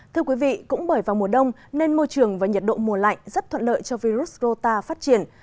thưa quý vị cũng bởi vào mùa đông nên môi trường và nhiệt độ mùa lạnh rất thuận lợi cho virus rota phát triển